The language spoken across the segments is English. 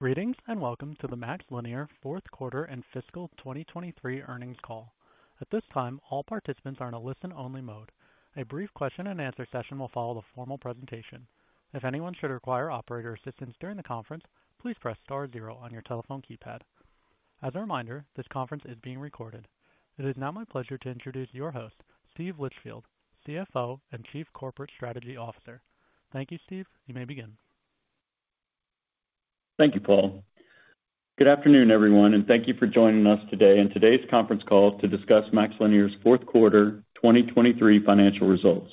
Greetings, and welcome to the MaxLinear Fourth Quarter and Fiscal 2023 Earnings Call. At this time, all participants are in a listen-only mode. A brief question and answer session will follow the formal presentation. If anyone should require operator assistance during the conference, please press star zero on your telephone keypad. As a reminder, this conference is being recorded. It is now my pleasure to introduce your host, Steve Litchfield, CFO and Chief Corporate Strategy Officer. Thank you, Steve. You may begin. Thank you, Paul. Good afternoon, everyone, and thank you for joining us today in today's conference call to discuss MaxLinear's fourth quarter 2023 financial results.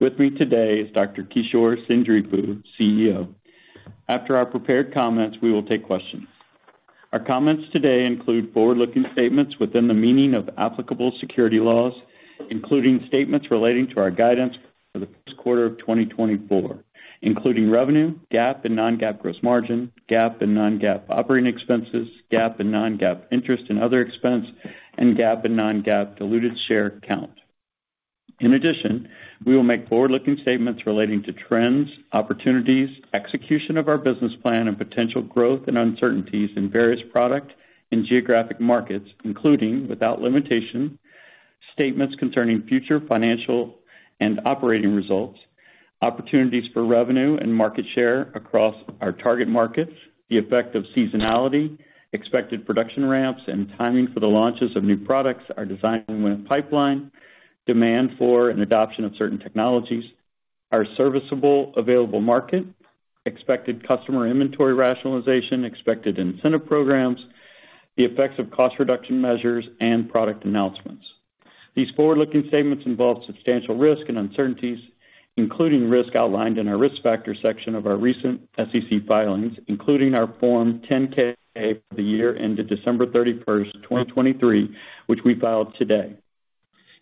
With me today is Dr. Kishore Seendripu, CEO. After our prepared comments, we will take questions. Our comments today include forward-looking statements within the meaning of applicable security laws, including statements relating to our guidance for the first quarter of 2024, including revenue, GAAP and non-GAAP gross margin, GAAP and non-GAAP operating expenses, GAAP and non-GAAP interest and other expense, and GAAP and non-GAAP diluted share count. In addition, we will make forward-looking statements relating to trends, opportunities, execution of our business plan, and potential growth and uncertainties in various product and geographic markets, including, without limitation, statements concerning future financial and operating results, opportunities for revenue and market share across our target markets, the effect of seasonality, expected production ramps and timing for the launches of new products, our design win pipeline, demand for and adoption of certain technologies, our serviceable available market, expected customer inventory rationalization, expected incentive programs, the effects of cost reduction measures, and product announcements. These forward-looking statements involve substantial risk and uncertainties, including risk outlined in our risk factor section of our recent SEC filings, including our Form 10-K for the year ended December 31st, 2023, which we filed today.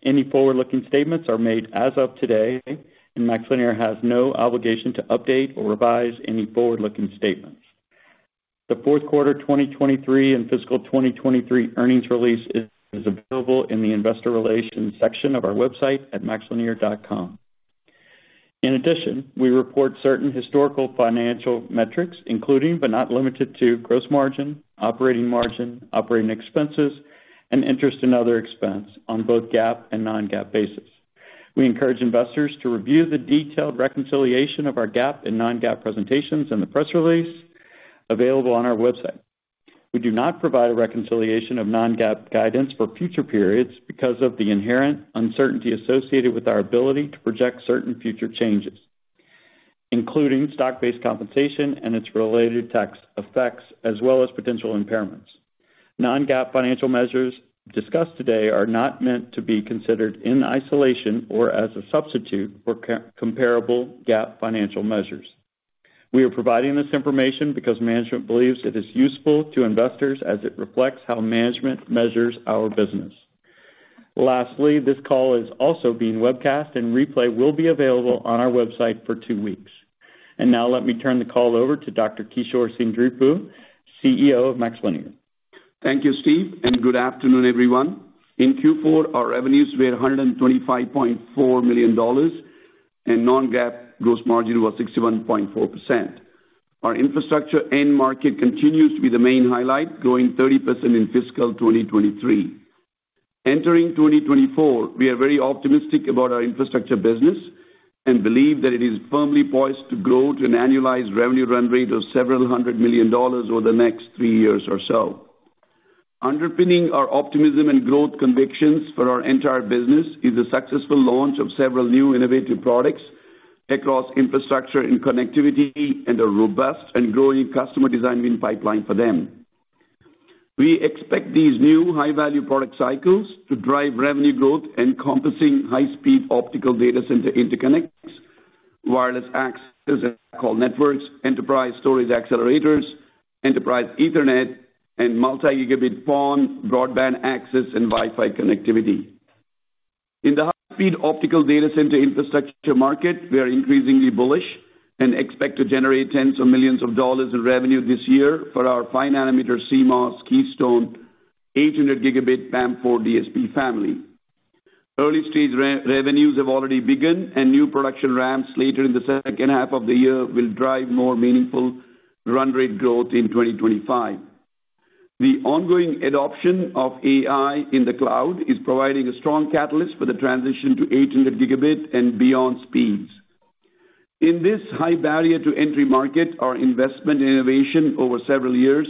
Any forward-looking statements are made as of today, and MaxLinear has no obligation to update or revise any forward-looking statements. The fourth quarter 2023 and fiscal 2023 earnings release is available in the investor relations section of our website at maxlinear.com. In addition, we report certain historical financial metrics, including, but not limited to, gross margin, operating margin, operating expenses, and interest and other expense on both GAAP and non-GAAP basis. We encourage investors to review the detailed reconciliation of our GAAP and non-GAAP presentations in the press release available on our website. We do not provide a reconciliation of non-GAAP guidance for future periods because of the inherent uncertainty associated with our ability to project certain future changes, including stock-based compensation and its related tax effects, as well as potential impairments. Non-GAAP financial measures discussed today are not meant to be considered in isolation or as a substitute for comparable GAAP financial measures. We are providing this information because management believes it is useful to investors as it reflects how management measures our business. Lastly, this call is also being webcast and replay will be available on our website for two weeks. And now let me turn the call over to Dr. Kishore Seendripu, CEO of MaxLinear. Thank you, Steve, and good afternoon, everyone. In Q4, our revenues were $125.4 million, and non-GAAP gross margin was 61.4%. Our infrastructure end market continues to be the main highlight, growing 30% in fiscal 2023. Entering 2024, we are very optimistic about our infrastructure business and believe that it is firmly poised to grow to an annualized revenue run rate of $several hundred million over the next three years or so. Underpinning our optimism and growth convictions for our entire business is the successful launch of several new innovative products across infrastructure and connectivity, and a robust and growing customer design win pipeline for them. We expect these new high-value product cycles to drive revenue growth, encompassing high-speed optical data center interconnects, wireless access, cellular networks, enterprise storage accelerators, enterprise Ethernet, and multi-gigabit PON, broadband access, and Wi-Fi connectivity. In the high-speed optical data center infrastructure market, we are increasingly bullish and expect to generate $ tens of millions in revenue this year for our 5nm CMOS Keystone 800Gb PAM4 DSP family. Early-stage revenues have already begun, and new production ramps later in the second half of the year will drive more meaningful run rate growth in 2025. The ongoing adoption of AI in the cloud is providing a strong catalyst for the transition to 800Gb and beyond speeds. In this high barrier to entry market, our investment in innovation over several years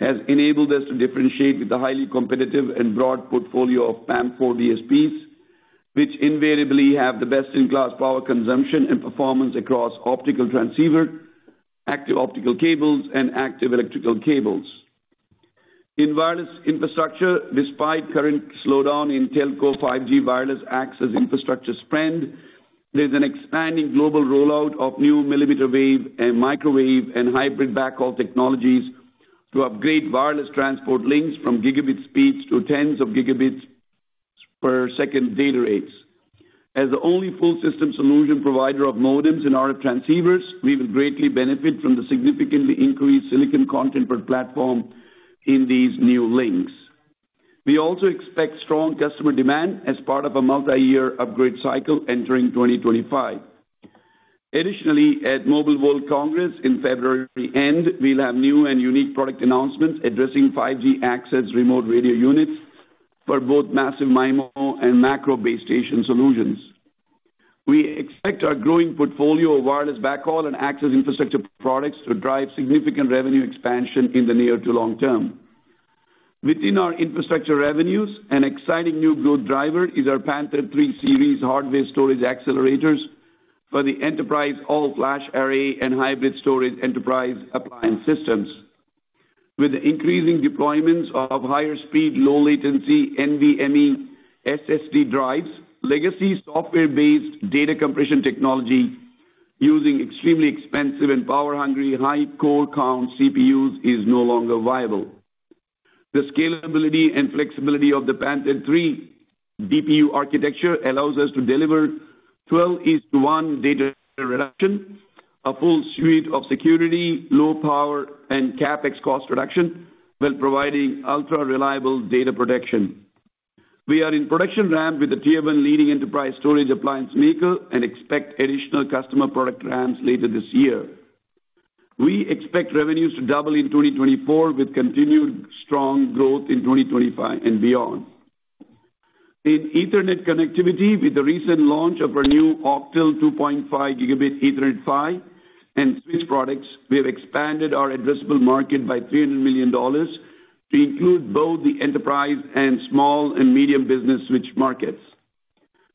has enabled us to differentiate with a highly competitive and broad portfolio of PAM4 DSPs, which invariably have the best-in-class power consumption and performance across optical transceiver, active optical cables, and active electrical cables. In wireless infrastructure, despite current slowdown in telco 5G wireless access infrastructure spend, there's an expanding global rollout of new millimeter wave and microwave and hybrid backhaul technologies to upgrade wireless transport links from gigabit speeds to tens of gigabits per second data rates. As the only full system solution provider of modems and RF transceivers, we will greatly benefit from the significantly increased silicon content per platform in these new links. We also expect strong customer demand as part of a multi-year upgrade cycle entering 2025. Additionally, at Mobile World Congress in February end, we'll have new and unique product announcements addressing 5G access remote radio units for both massive MIMO and macro base station solutions. We expect our growing portfolio of wireless backhaul and access infrastructure products to drive significant revenue expansion in the near to long term. Within our infrastructure revenues, an exciting new growth driver is our Panther III series hardware storage accelerators for the enterprise all-flash array and hybrid storage enterprise appliance systems. With the increasing deployments of higher speed, low latency NVMe SSD drives, legacy software-based data compression technology using extremely expensive and power-hungry, high core count CPUs is no longer viable. The scalability and flexibility of the Panther III DPU architecture allows us to deliver 12:1 data reduction, a full suite of security, low power, and CapEx cost reduction, while providing ultra-reliable data protection. We are in production ramp with a Tier 1 leading enterprise storage appliance maker and expect additional customer product ramps later this year. We expect revenues to double in 2024, with continued strong growth in 2025 and beyond. In Ethernet connectivity, with the recent launch of our new Octal 2.5Gb Ethernet PHY and switch products, we have expanded our addressable market by $300 million to include both the enterprise and small and medium business switch markets,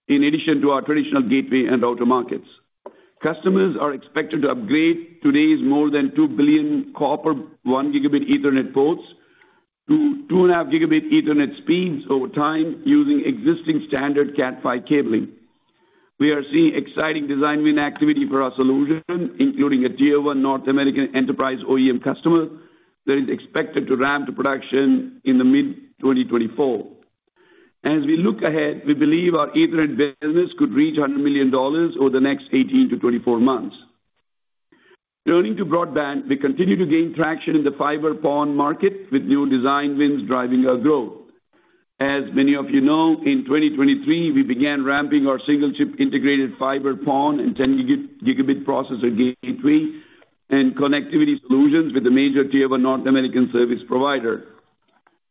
in addition to our traditional gateway and auto markets. Customers are expected to upgrade today's more than 2 billion copper 1Gb Ethernet ports to 2.5Gb Ethernet speeds over time using existing standard Cat5 cabling. We are seeing exciting design win activity for our solution, including a Tier 1 North American enterprise OEM customer that is expected to ramp to production in the mid-2024. As we look ahead, we believe our Ethernet business could reach $100 million over the next 18-24 months. Turning to broadband, we continue to gain traction in the fiber PON market with new design wins driving our growth. As many of you know, in 2023, we began ramping our single chip integrated fiber PON and 10Gb processor gateway and connectivity solutions with a major Tier 1 North American service provider.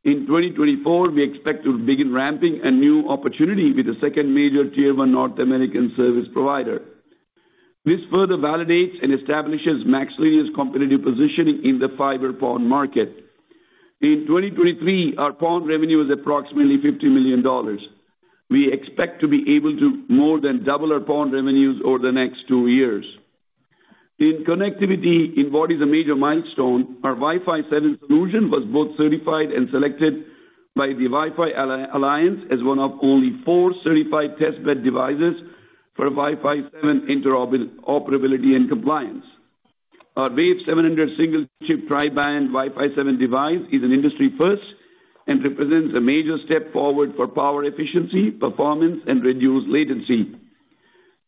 In 2024, we expect to begin ramping a new opportunity with a second major Tier 1 North American service provider. This further validates and establishes MaxLinear's competitive positioning in the fiber PON market. In 2023, our PON revenue was approximately $50 million. We expect to be able to more than double our PON revenues over the next two years. In connectivity, in what is a major milestone, our Wi-Fi 7 solution was both certified and selected by the Wi-Fi Alliance as one of only four certified test bed devices for Wi-Fi 7 interoperability and compliance. Our Wave 700 single chip tri-band Wi-Fi 7 device is an industry first and represents a major step forward for power efficiency, performance, and reduced latency.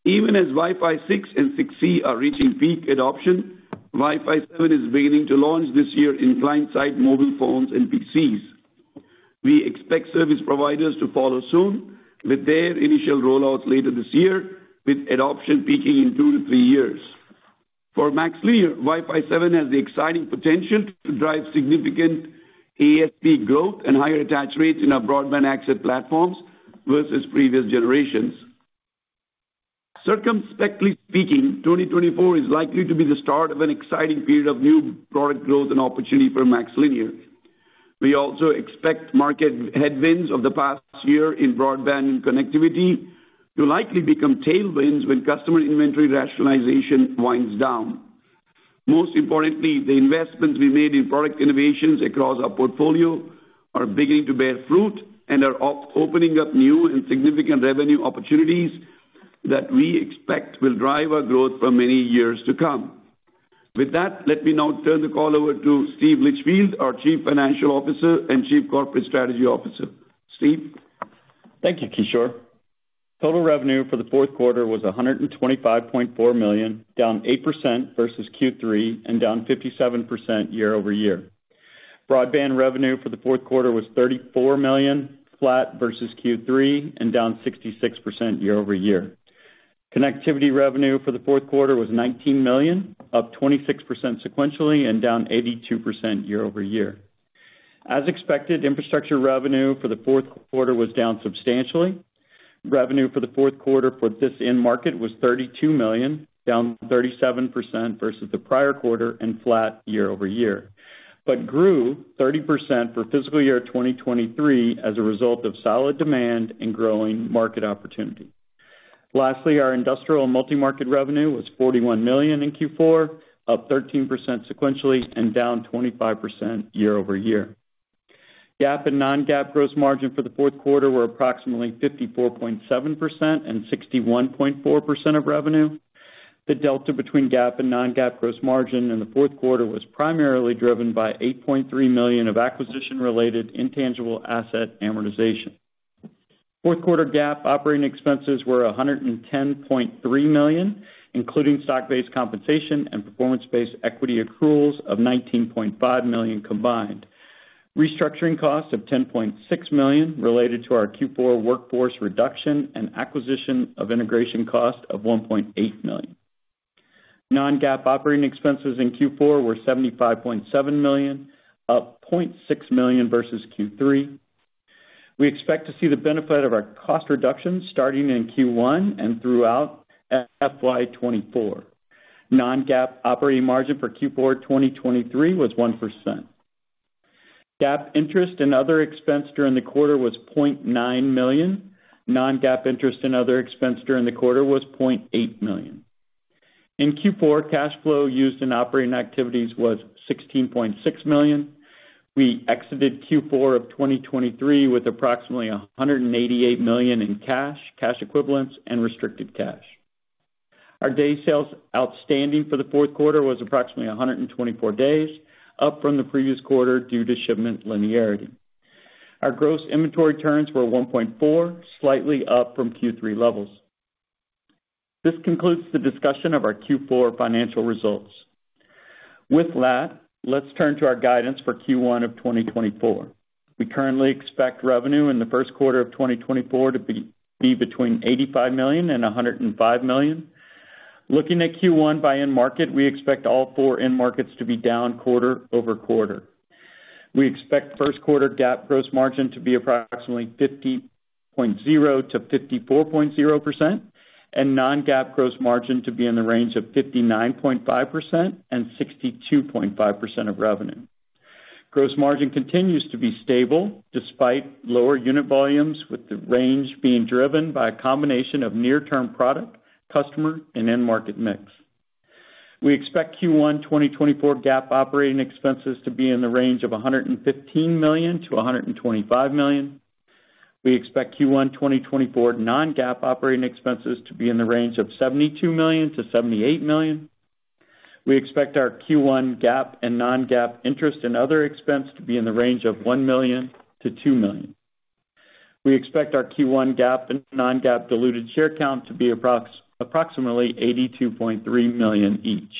Even as Wi-Fi 6 and 6E are reaching peak adoption, Wi-Fi 7 is beginning to launch this year in client-side mobile phones and PCs. We expect service providers to follow soon, with their initial rollouts later this year, with adoption peaking in 2-3 years. For MaxLinear, Wi-Fi 7 has the exciting potential to drive significant ASP growth and higher attach rates in our broadband access platforms versus previous generations. Circumspectly speaking, 2024 is likely to be the start of an exciting period of new product growth and opportunity for MaxLinear. We also expect market headwinds of the past year in broadband and connectivity to likely become tailwinds when customer inventory rationalization winds down. Most importantly, the investments we made in product innovations across our portfolio are beginning to bear fruit and are opening up new and significant revenue opportunities that we expect will drive our growth for many years to come. With that, let me now turn the call over to Steve Litchfield, our Chief Financial Officer and Chief Corporate Strategy Officer. Steve? Thank you, Kishore. Total revenue for the fourth quarter was $125.4 million, down 8% versus Q3 and down 57% year-over-year. Broadband revenue for the fourth quarter was $34 million, flat versus Q3 and down 66% year-over-year. Connectivity revenue for the fourth quarter was $19 million, up 26% sequentially and down 82% year-over-year. As expected, infrastructure revenue for the fourth quarter was down substantially. Revenue for the fourth quarter for this end market was $32 million, down 37% versus the prior quarter and flat year-over-year, but grew 30% for fiscal year 2023 as a result of solid demand and growing market opportunity. Lastly, our industrial multi-market revenue was $41 million in Q4, up 13% sequentially and down 25% year-over-year. GAAP and non-GAAP gross margin for the fourth quarter were approximately 54.7% and 61.4% of revenue. The delta between GAAP and non-GAAP gross margin in the fourth quarter was primarily driven by $8.3 million of acquisition-related intangible asset amortization. Fourth quarter GAAP operating expenses were $110.3 million, including stock-based compensation and performance-based equity accruals of $19.5 million combined. Restructuring costs of $10.6 million related to our Q4 workforce reduction and acquisition of integration cost of $1.8 million. Non-GAAP operating expenses in Q4 were $75.7 million, up $0.6 million versus Q3. We expect to see the benefit of our cost reductions starting in Q1 and throughout FY 2024. Non-GAAP operating margin for Q4 2023 was 1%. GAAP interest and other expense during the quarter was $0.9 million. Non-GAAP interest and other expense during the quarter was $0.8 million. In Q4, cash flow used in operating activities was $16.6 million. We exited Q4 of 2023 with approximately $188 million in cash, cash equivalents, and restricted cash. Our days sales outstanding for the fourth quarter was approximately 124 days, up from the previous quarter due to shipment linearity. Our gross inventory turns were 1.4, slightly up from Q3 levels. This concludes the discussion of our Q4 financial results. With that, let's turn to our guidance for Q1 of 2024. We currently expect revenue in the first quarter of 2024 to be between $85 million and $105 million. Looking at Q1 by end market, we expect all four end markets to be down quarter-over-quarter. We expect first quarter GAAP gross margin to be approximately 50.0%-54.0%, and non-GAAP gross margin to be in the range of 59.5%-62.5% of revenue. Gross margin continues to be stable despite lower unit volumes, with the range being driven by a combination of near-term product, customer, and end-market mix. We expect Q1 2024 GAAP operating expenses to be in the range of $115 million-$125 million. We expect Q1 2024 non-GAAP operating expenses to be in the range of $72 million-$78 million. We expect our Q1 GAAP and non-GAAP interest and other expense to be in the range of $1 million-$2 million. We expect our Q1 GAAP and non-GAAP diluted share count to be approx., approximately 82.3 million each.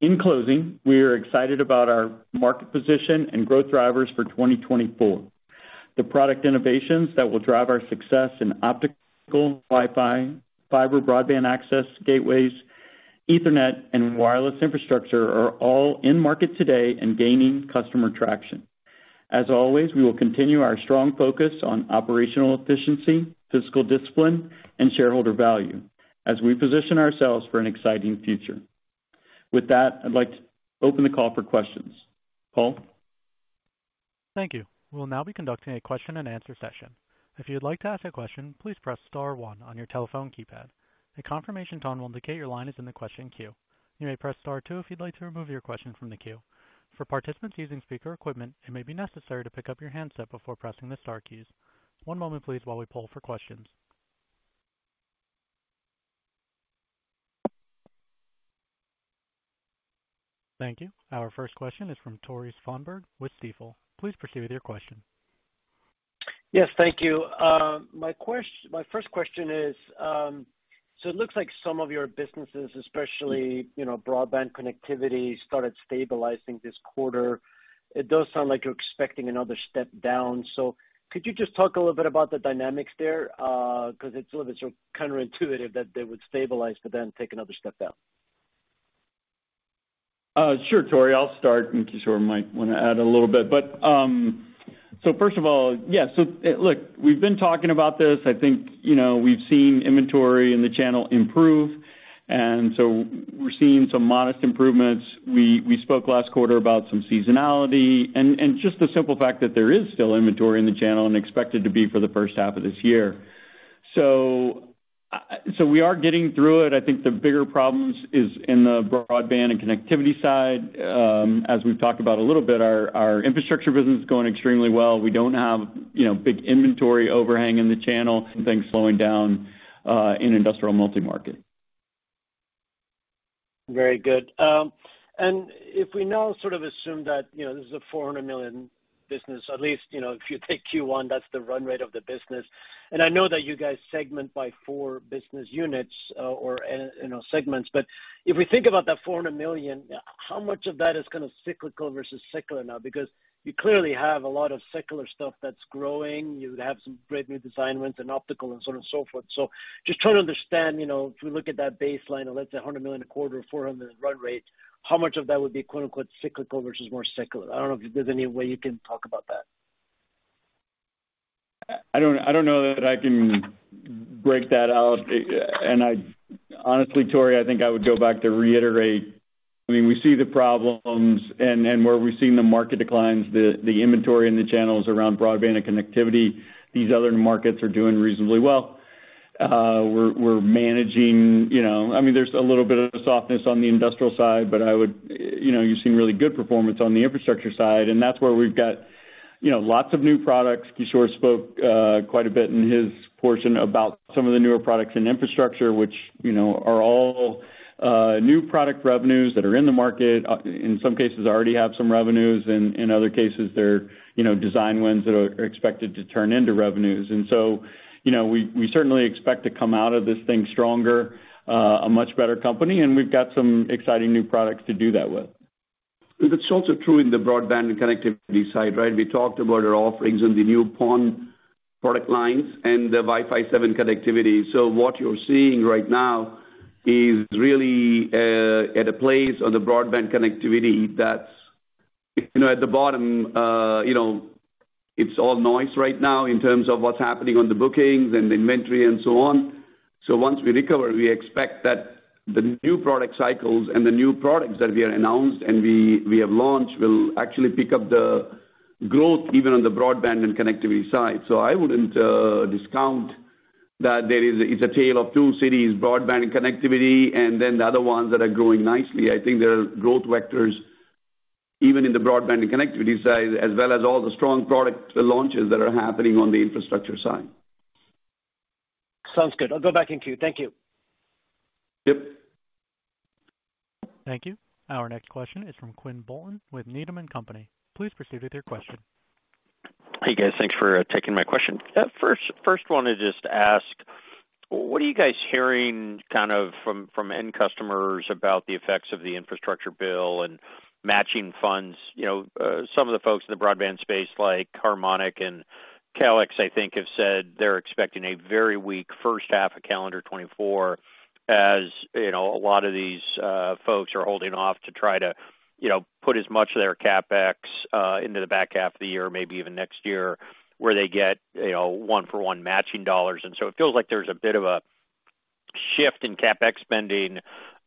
In closing, we are excited about our market position and growth drivers for 2024. The product innovations that will drive our success in optical, Wi-Fi, fiber, broadband access, gateways, Ethernet, and wireless infrastructure are all in market today and gaining customer traction. As always, we will continue our strong focus on operational efficiency, fiscal discipline, and shareholder value as we position ourselves for an exciting future. With that, I'd like to open the call for questions. Paul? Thank you. We'll now be conducting a question-and-answer session. If you'd like to ask a question, please press star one on your telephone keypad. A confirmation tone will indicate your line is in the question queue. You may press star two if you'd like to remove your question from the queue. For participants using speaker equipment, it may be necessary to pick up your handset before pressing the star keys. One moment, please, while we poll for questions. Thank you. Our first question is from Tore Svanberg with Stifel. Please proceed with your question. Yes, thank you. My first, my first question is, so it looks like some of your businesses, especially, you know, broadband connectivity, started stabilizing this quarter. It does sound like you're expecting another step down. So could you just talk a little bit about the dynamics there? Because it's a little bit sort of counterintuitive that they would stabilize, but then take another step down. Sure, Tore, I'll start, and Kishore might wanna add a little bit. But, so first of all, yeah, so, look, we've been talking about this. I think, you know, we've seen inventory in the channel improve, and so we're seeing some modest improvements. We spoke last quarter about some seasonality and just the simple fact that there is still inventory in the channel and expected to be for the first half of this year. So, so we are getting through it. I think the bigger problems is in the broadband and connectivity side. As we've talked about a little bit, our infrastructure business is going extremely well. We don't have, you know, big inventory overhang in the channel and things slowing down in industrial multi-market. Very good. And if we now sort of assume that, you know, this is a $400 million business, at least, you know, if you take Q1, that's the run rate of the business. I know that you guys segment by four business units, or, you know, segments, but if we think about that $400 million, how much of that is kind of cyclical versus secular now? Because you clearly have a lot of secular stuff that's growing. You have some great new design wins and optical and so on and so forth. So just trying to understand, you know, if we look at that baseline of, let's say, $100 million a quarter, $400 million run rate, how much of that would be equivalent cyclical versus more secular? I don't know if there's any way you can talk about that. I don't know that I can break that out. And honestly, Tore, I think I would go back to reiterate. I mean, we see the problems and where we're seeing the market declines, the inventory in the channels around broadband and connectivity, these other markets are doing reasonably well. We're managing, you know, I mean, there's a little bit of softness on the industrial side, but I would, you know, you're seeing really good performance on the infrastructure side, and that's where we've got you know, lots of new products. Kishore spoke quite a bit in his portion about some of the newer products in infrastructure, which, you know, are all new product revenues that are in the market, in some cases already have some revenues, and in other cases they're, you know, design wins that are expected to turn into revenues. And so, you know, we certainly expect to come out of this thing stronger, a much better company, and we've got some exciting new products to do that with. It's also true in the broadband and connectivity side, right? We talked about our offerings in the new PON product lines and the Wi-Fi 7 connectivity. So what you're seeing right now is really at a place on the broadband connectivity that's, you know, at the bottom. You know, it's all noise right now in terms of what's happening on the bookings and the inventory and so on. So once we recover, we expect that the new product cycles and the new products that we have announced and we have launched will actually pick up the growth, even on the broadband and connectivity side. So I wouldn't discount that there is a, it's a tale of two cities, broadband and connectivity, and then the other ones that are growing nicely. I think there are growth vectors, even in the broadband and connectivity side, as well as all the strong product launches that are happening on the infrastructure side. Sounds good. I'll go back in queue. Thank you. Yep. Thank you. Our next question is from Quinn Bolton with Needham and Company. Please proceed with your question. Hey, guys. Thanks for taking my question. First want to just ask, what are you guys hearing, kind of, from end customers about the effects of the infrastructure bill and matching funds? You know, some of the folks in the broadband space, like Harmonic and Calix, I think, have said they're expecting a very weak first half of calendar 2024, as you know, a lot of these folks are holding off to try to, you know, put as much of their CapEx into the back half of the year, maybe even next year, where they get, you know, one-for-one matching dollars. And so it feels like there's a bit of a shift in CapEx spending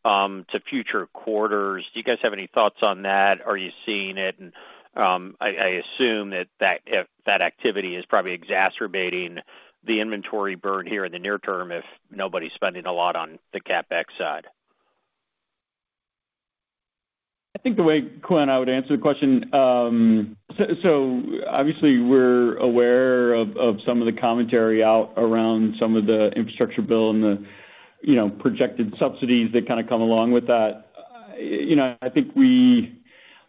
to future quarters. Do you guys have any thoughts on that? Are you seeing it? And, I assume that if that activity is probably exacerbating the inventory burn here in the near term, if nobody's spending a lot on the CapEx side. I think the way, Quinn, I would answer the question, so obviously we're aware of some of the commentary out around some of the infrastructure bill and the, you know, projected subsidies that kind of come along with that. You know, I think we,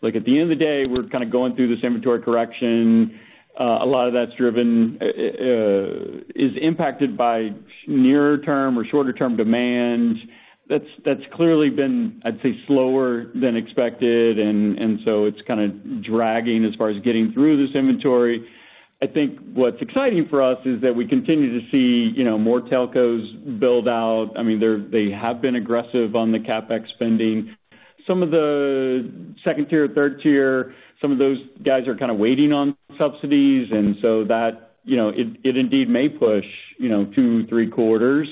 look at the end of the day, we're kind of going through this inventory correction. A lot of that's driven is impacted by nearer term or shorter term demands. That's that's clearly been, I'd say, slower than expected, and and so it's kind of dragging as far as getting through this inventory. I think what's exciting for us is that we continue to see, you know, more telcos build out. I mean, they have been aggressive on the CapEx spending. Some of the second tier, third tier, some of those guys are kind of waiting on subsidies, and so that, you know, it indeed may push, you know, two or three quarters.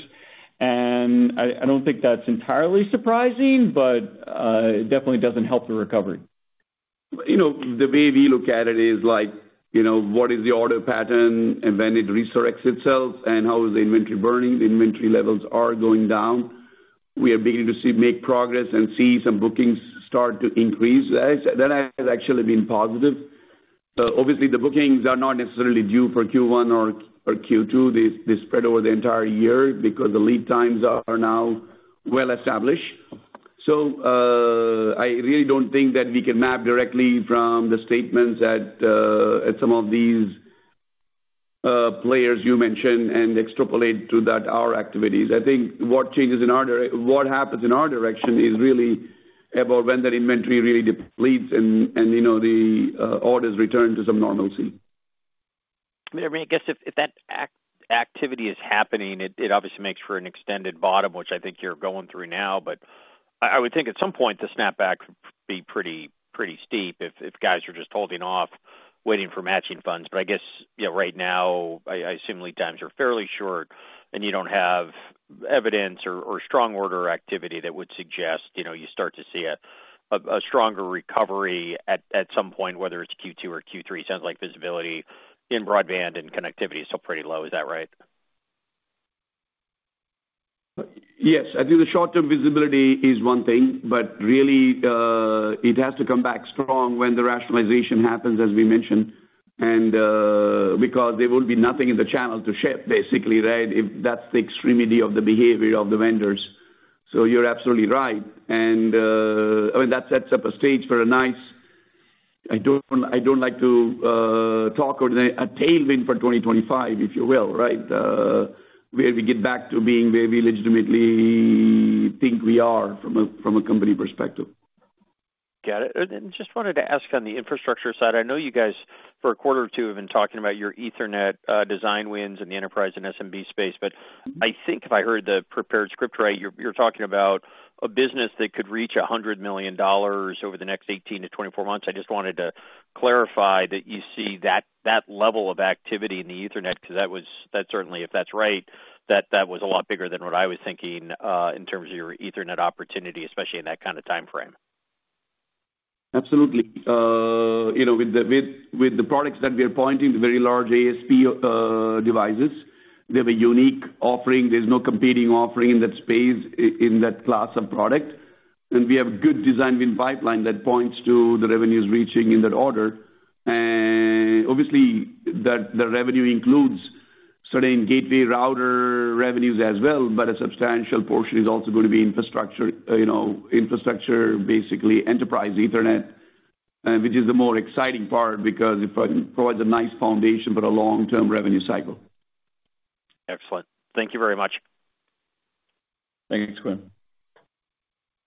And I don't think that's entirely surprising, but it definitely doesn't help the recovery. You know, the way we look at it is like, you know, what is the order pattern and when it resurrects itself, and how is the inventory burning? The inventory levels are going down. We are beginning to see, make progress and see some bookings start to increase. That has, that has actually been positive. Obviously, the bookings are not necessarily due for Q1 or Q2. They, they spread over the entire year because the lead times are now well established. So, I really don't think that we can map directly from the statements that, at some of these players you mentioned and extrapolate to that our activities. I think what changes in our direction, I think what happens in our direction is really about when that inventory really depletes and, you know, the orders return to some normalcy. I mean, I guess if that activity is happening, it obviously makes for an extended bottom, which I think you're going through now. But I would think at some point, the snapback would be pretty pretty steep if guys are just holding off, waiting for matching funds. But I guess, you know, right now, I assume lead times are fairly short, and you don't have evidence or strong order activity that would suggest, you know, you start to see a stronger recovery at some point, whether it's Q2 or Q3. Sounds like visibility in broadband and connectivity is still pretty low. Is that right? Yes. I think the short-term visibility is one thing, but really, it has to come back strong when the rationalization happens, as we mentioned, and because there will be nothing in the channel to ship, basically, right? If that's the extremity of the behavior of the vendors. So you're absolutely right. And I mean, that sets up a stage for a nice... I don't, I don't like to talk or a tailwind for 2025, if you will, right? Where we get back to being where we legitimately think we are from a, from a company perspective. Got it. Then just wanted to ask on the infrastructure side. I know you guys, for a quarter or two, have been talking about your Ethernet design wins in the enterprise and SMB space, but I think if I heard the prepared script right, you're talking about a business that could reach $100 million over the next 18-24 months. I just wanted to clarify that you see that level of activity in the Ethernet, because that was. That certainly, if that's right, that was a lot bigger than what I was thinking in terms of your Ethernet opportunity, especially in that kind of time frame. Absolutely. You know, with the, with products that we are pointing to, very large ASP devices. We have a unique offering. There's no competing offering in that space, in that class of product... and we have good design win pipeline that points to the revenues reaching in that order. And obviously, that revenue includes certain gateway router revenues as well, but a substantial portion is also going to be infrastructure, you know, infrastructure, basically enterprise Ethernet, which is the more exciting part because it provides a nice foundation, but a long-term revenue cycle. Excellent. Thank you very much. Thank you, Quinn.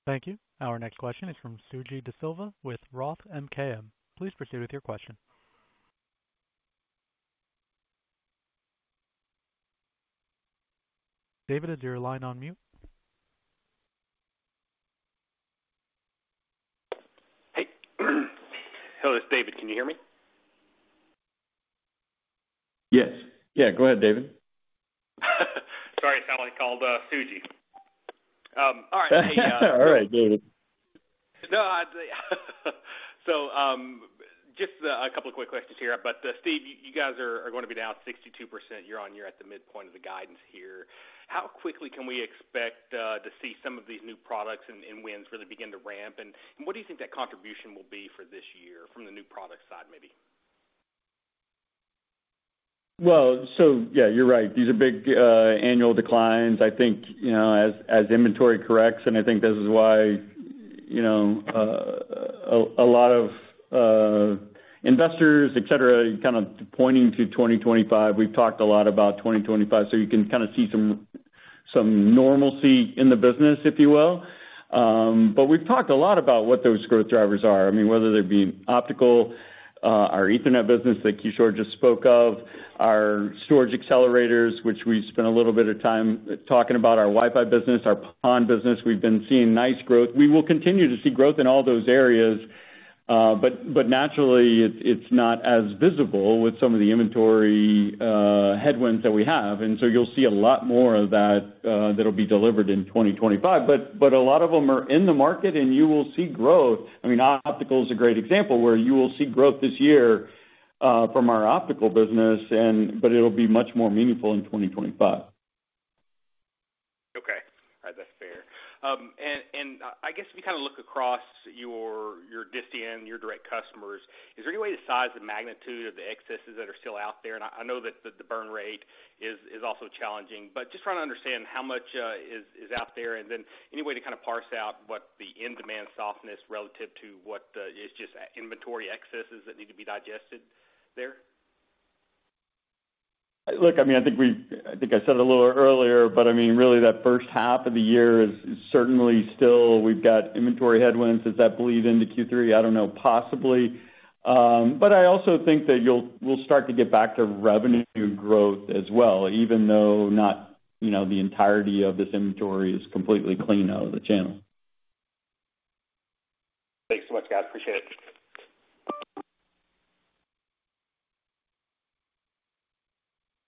Thank you. Our next question is from Suji DeSilva with Roth MKM. Please proceed with your question. David, is your line on mute? Hey. Hello, this is David. Can you hear me? Yes. Yeah, go ahead, David. Sorry, it sounded like I called Suji. All right. All right, David. No, so just a couple of quick questions here. But, Steve, you guys are going to be down 62% year-on-year at the midpoint of the guidance here. How quickly can we expect to see some of these new products and wins really begin to ramp? And what do you think that contribution will be for this year from the new product side, maybe? Well, so yeah, you're right. These are big annual declines. I think, you know, as inventory corrects, and I think this is why, you know, a lot of investors, et cetera, kind of pointing to 2025. We've talked a lot about 2025, so you can kind of see some, some normalcy in the business, if you will. But we've talked a lot about what those growth drivers are. I mean, whether they're being optical, our Ethernet business that Kishore just spoke of, our storage accelerators, which we spent a little bit of time talking about, our Wi-Fi business, our PON business, we've been seeing nice growth. We will continue to see growth in all those areas, but but naturally it's not as visible with some of the inventory headwinds that we have. And so you'll see a lot more of that, that'll be delivered in 2025. But, but a lot of them are in the market, and you will see growth. I mean, optical is a great example where you will see growth this year, from our optical business, and but it'll be much more meaningful in 2025. Okay. All right. That's fair. And and I guess if you kind of look across your, your disti and your direct customers, is there any way to size the magnitude of the excesses that are still out there? And I know that the burn rate is also challenging, but just trying to understand how much is out there, and then any way to kind of parse out what the end demand softness relative to what is just inventory excesses that need to be digested there? Look, I mean, I think I said a little earlier, but I mean, really, that first half of the year is certainly still we've got inventory headwinds. Does that bleed into Q3? I don't know, possibly. But I also think that we'll start to get back to revenue growth as well, even though not, you know, the entirety of this inventory is completely clean out of the channel. Thanks so much, guys. Appreciate it.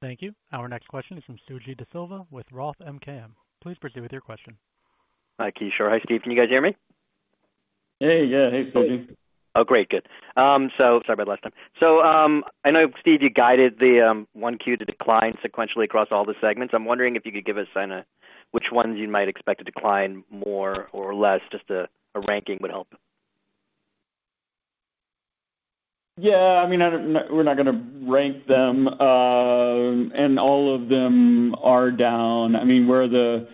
Thank you. Our next question is from Suji De Silva with Roth MKM. Please proceed with your question. Hi, Kishore. Hi, Steve. Can you guys hear me? Hey, yeah. Hey, Suji. Oh, great, good. So sorry about last time. So, I know, Steve, you guided the 1Q to decline sequentially across all the segments. I'm wondering if you could give us kind of which ones you might expect to decline more or less. Just a ranking would help. Yeah, I mean, I don't... We're not gonna rank them, and all of them are down. I mean, we're the,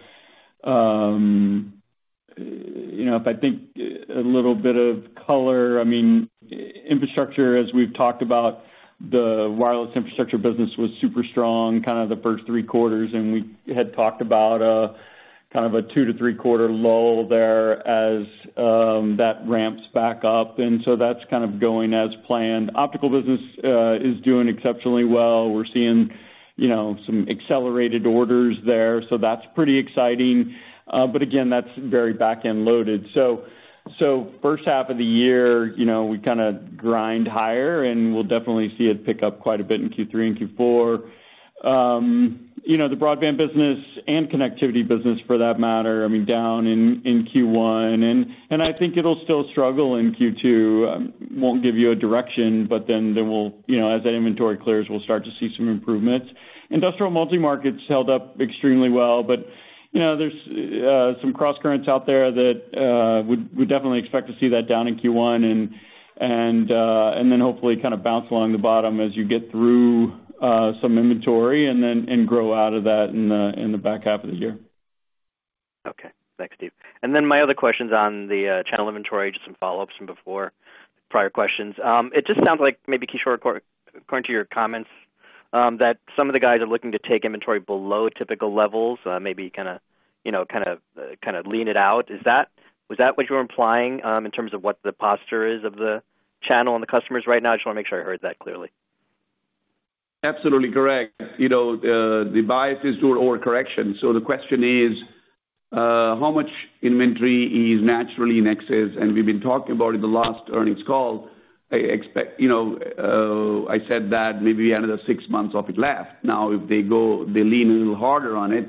you know, if I think a little bit of color, I mean, infrastructure, as we've talked about, the wireless infrastructure business was super strong, kind of the first three quarters, and we had talked about, kind of a two to three quarter lull there as that ramps back up. And so that's kind of going as planned. Optical business is doing exceptionally well. We're seeing, you know, some accelerated orders there, so that's pretty exciting. But again, that's very back-end loaded. So, so first half of the year, you know, we kinda grind higher, and we'll definitely see it pick up quite a bit in Q3 and Q4. You know, the broadband business and connectivity business, for that matter, I mean, down in Q1, and I think it'll still struggle in Q2. Won't give you a direction, but then we'll, you know, as that inventory clears, we'll start to see some improvements. Industrial multimarket's held up extremely well, but, you know, there's some crosscurrents out there that we definitely expect to see that down in Q1 and then hopefully kind of bounce along the bottom as you get through some inventory and then grow out of that in the back half of the year. Okay. Thanks, Steve. And then my other question's on the channel inventory, just some follow-ups from before, prior questions. It just sounds like maybe, Kishore, according to your comments, that some of the guys are looking to take inventory below typical levels, maybe kind of, you know, lean it out. Is that- was that what you were implying in terms of what the posture is of the channel and the customers right now? I just want to make sure I heard that clearly. Absolutely correct. You know, the bias is toward overcorrection. So the question is, how much inventory is naturally in excess? And we've been talking about in the last earnings call, I expect, you know, I said that maybe another six months of it left. Now, if they go, they lean a little harder on it,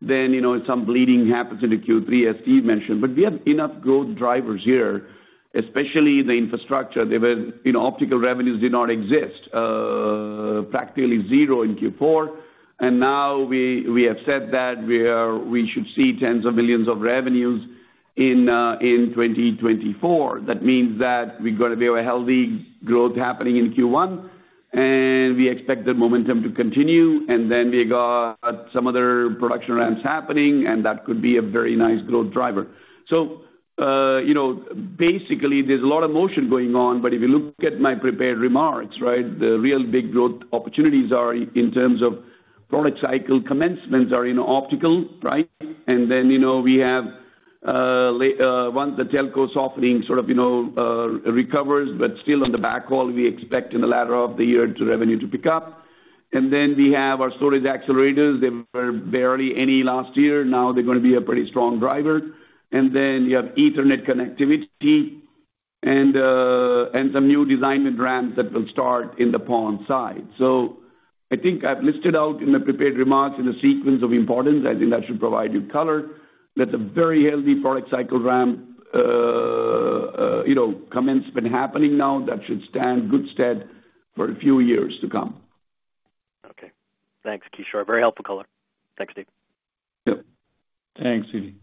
then, you know, some bleeding happens in the Q3, as Steve mentioned. But we have enough growth drivers here, especially in the infrastructure, there were, you know, optical revenues did not exist, practically zero in Q4. And now we we have said that we should see $ tens of millions of revenues in in 2024. That means that we're gonna be a healthy growth happening in Q1, and we expect the momentum to continue. And then we got some other production ramps happening, and that could be a very nice growth driver. So, you know, basically, there's a lot of motion going on, but if you look at my prepared remarks, right, the real big growth opportunities are in terms of product cycle commencements are in optical, right? And then, you know, we have once the telco softening, sort of, recovers, but still on the backhaul, we expect in the latter of the year to revenue to pick up. And then we have our storage accelerators. They were barely any last year, now they're gonna be a pretty strong driver. And then you have Ethernet connectivity and and some new design and ramps that will start in the PON side. So I think I've listed out in the prepared remarks in a sequence of importance. I think that should provide you color, that the very healthy product cycle ramp, you know, commenced been happening now, that should stand good stead for a few years to come. Okay. Thanks, Kishore. Very helpful color. Thanks, Steve. Yep. Thanks, Eddie.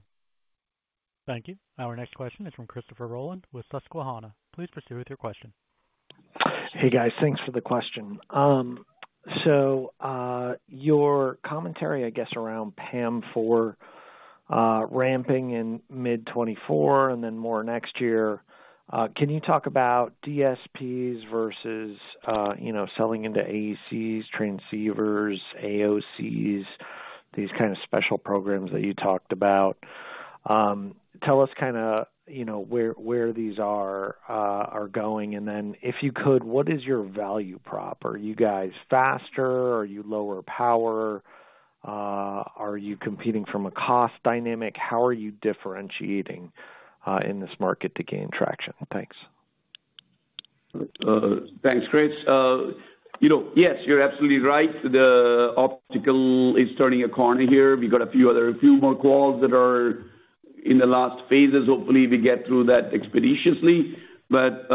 Thank you. Our next question is from Christopher Rolland with Susquehanna. Please proceed with your question. Hey, guys. Thanks for the question. So, your commentary, I guess, around PAM4 ramping in mid-2024 and then more next year, can you talk about DSPs versus, you know, selling into AECs, transceivers, AOCs, these kind of special programs that you talked about? Tell us kinda, you know, where where these are are going, and then if you could, what is your value prop? Are you guys faster? Are you lower power? Are you competing from a cost dynamic? How are you differentiating in this market to gain traction? Thanks. Thanks, Chris. You know, yes, you're absolutely right. The optical is turning a corner here. We've got a few other, few more calls that are in the last phases. Hopefully, we get through that expeditiously. But,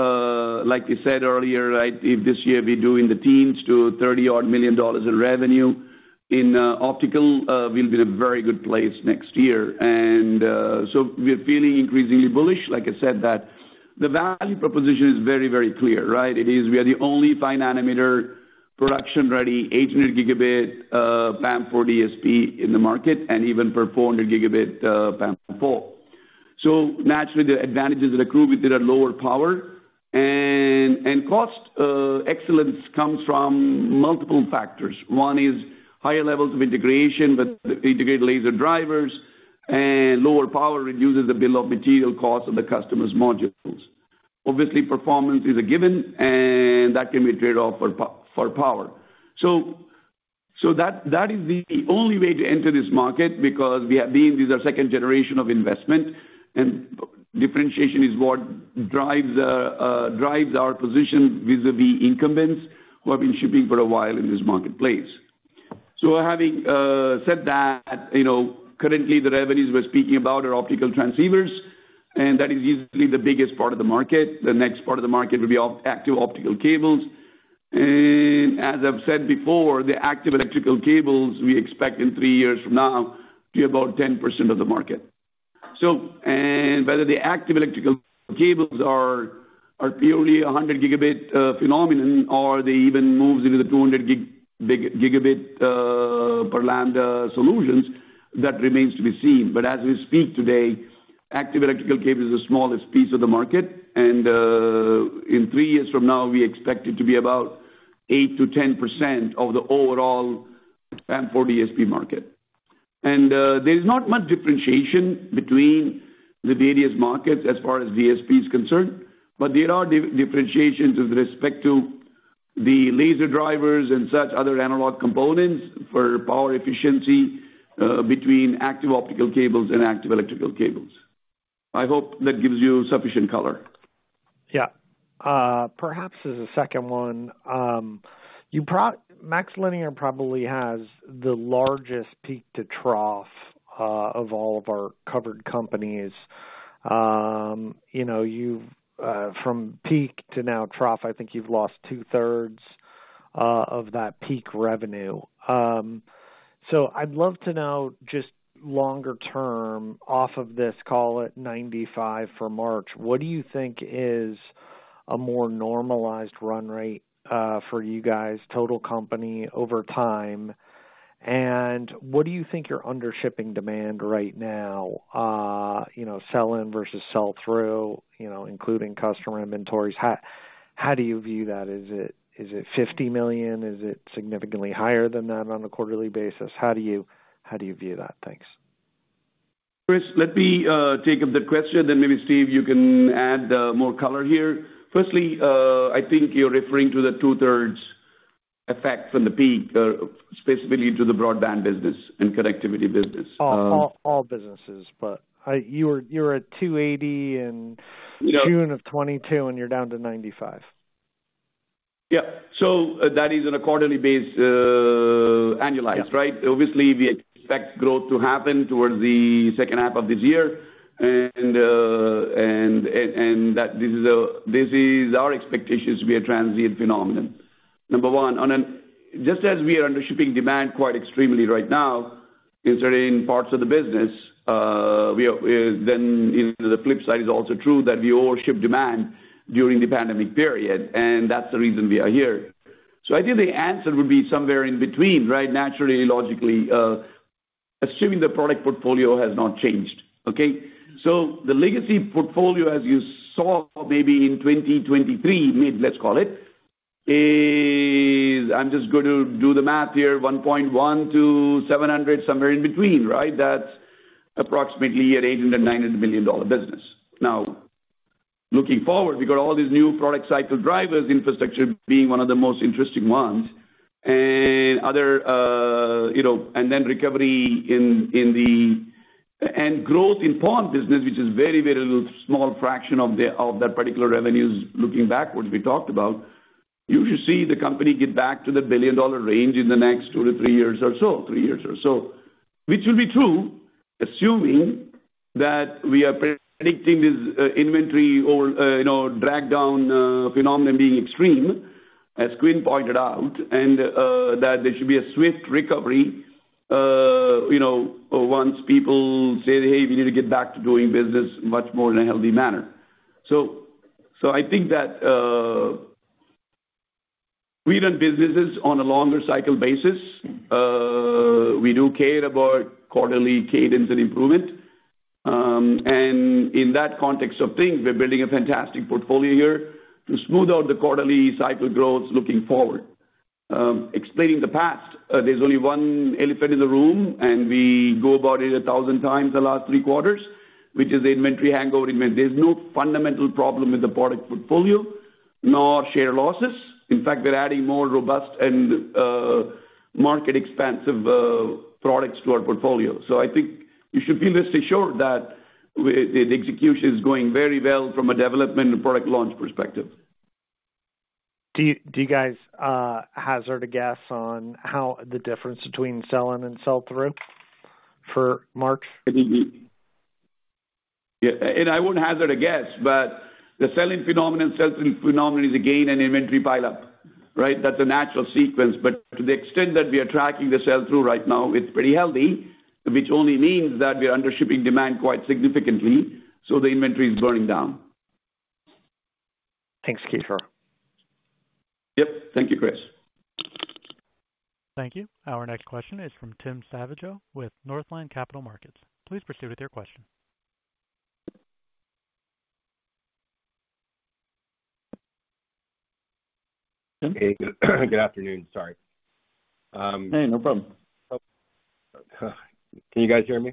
like you said earlier, right, if this year we do in the teens to $30-odd million in revenue in optical, we'll be in a very good place next year. And, so we're feeling increasingly bullish. Like I said, that the value proposition is very, very clear, right? It is we are the only 5nm production-ready 800Gb PAM4 DSP in the market, and even for 400Gb PAM4. So naturally, the advantages accrue with it at lower power and and cost, excellence comes from multiple factors. One is higher levels of integration with integrated laser drivers, and lower power reduces the bill of material costs of the customer's modules. Obviously, performance is a given, and that can be trade-off for power. So so that is the only way to enter this market because being this is our second generation of investment, and differentiation is what drives our, drives our position vis-a-vis incumbents who have been shipping for a while in this marketplace. So having said that, you know, currently the revenues we're speaking about are optical transceivers, and that is easily the biggest part of the market. The next part of the market will be active optical cables. And as I've said before, the active electrical cables, we expect in three years from now to be about 10% of the market. So and whether the active electrical cables are purely a 100Gb phenomenon, or they even moves into the 200Gb per lambda solutions, that remains to be seen. But as we speak today, active electrical cable is the smallest piece of the market, and in three years from now, we expect it to be about 8%-10% of the overall PAM4 DSP market. And there is not much differentiation between the various markets as far as DSP is concerned, but there are differentiations with respect to the laser drivers and such other analog components for power efficiency between active optical cables and active electrical cables. I hope that gives you sufficient color. Yeah. Perhaps as a second one, you brought, MaxLinear probably has the largest peak to trough of all of our covered companies. You know, you've from peak to now trough, I think you've lost 2/3 of that peak revenue. So I'd love to know, just longer term off of this, call it 95 for March, what do you think is a more normalized run rate for you guys, total company over time? And what do you think you're under shipping demand right now? You know, sell-in versus sell-through, you know, including customer inventories. How do you view that? Is it, is it $50 million? Is it significantly higher than that on a quarterly basis? How do you, how do you view that? Thanks. Chris, let me take up the question, then maybe, Steve, you can add more color here. Firstly, I think you're referring to the 2/3rd effect from the peak, specifically to the broadband business and connectivity business. All businesses, but you were at $280 in June 2022, and you're down to $95.... Yeah. So that is on a quarterly basis, annualized, right? Obviously, we expect growth to happen towards the second half of this year. And and that this is our expectation to be a transient phenomenon. Number one, just as we are under shipping demand quite extremely right now in certain parts of the business, we are, then on the flip side is also true that we overship demand during the pandemic period, and that's the reason we are here. So I think the answer would be somewhere in between, right? Naturally, logically, assuming the product portfolio has not changed. Okay, so the legacy portfolio, as you saw, maybe in 2023, mid, let's call it, is, I'm just going to do the math here, $1.1-$700, somewhere in between, right? That's approximately an $800-$900 million business. Now, looking forward, we got all these new product cycle drivers, infrastructure being one of the most interesting ones, and other, you know, and then recovery in in the and growth in PON business, which is very, very small fraction of the, of that particular revenues looking backwards, we talked about. You should see the company get back to the billion-dollar range in the next 2-3 years or so, three years or so, which will be true, assuming that we are predicting this, inventory or, you know, drag down phenomenon being extreme, as Quinn pointed out, and that there should be a swift recovery, you know, once people say, "Hey, we need to get back to doing business much more in a healthy manner." So so I think that, we run businesses on a longer cycle basis. We do care about quarterly cadence and improvement. And in that context of things, we're building a fantastic portfolio here to smooth out the quarterly cycle growth looking forward. Explaining the past, there's only one elephant in the room, and we go about it 1,000 times the last three quarters, which is the inventory hangover. There's no fundamental problem with the product portfolio, nor share losses. In fact, we're adding more robust and market expansive products to our portfolio. So I think you should be rest assured that we- the execution is going very well from a development and product launch perspective. Do you, do you guys, hazard a guess on how the difference between sell-in and sell-through for March? Yeah, and I won't hazard a guess, but the selling phenomenon, sell-through phenomenon, is again an inventory pile up, right? That's a natural sequence, but to the extent that we are tracking the sell-through right now, it's pretty healthy, which only means that we are under-shipping demand quite significantly, so the inventory is burning down. Thanks, Kishore. Yep. Thank you, Chris. Thank you. Our next question is from Tim Savageaux, with Northland Capital Markets. Please proceed with your question. Hey, good afternoon. Sorry, Hey, no problem. Can you guys hear me?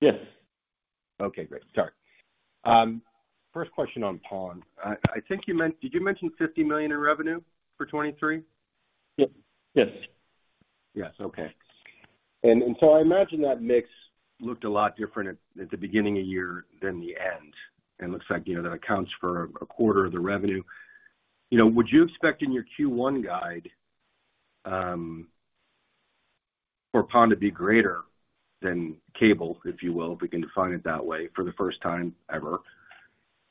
Yes. Okay, great. Sorry. First question on PON. I think you mentioned... Did you mention $50 million in revenue for 2023? Yep. Yes. Yes. Okay. And so I imagine that mix looked a lot different at the beginning of the year than the end, and looks like, you know, that accounts for a quarter of the revenue. You know, would you expect in your Q1 guide for PON to be greater than cable, if you will, if we can define it that way, for the first time ever?